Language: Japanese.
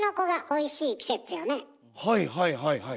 はいはいはいはい。